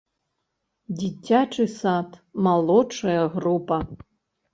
Дзіцячы сад, малодшая група!